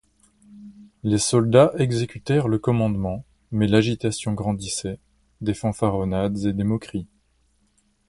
Les soldats exécutèrent le commandement, mais l’agitation grandissait, des fanfaronnades et des moqueries.